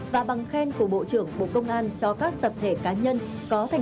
và bằng khen của bộ trưởng bộ công an cho các tập thể cá nhân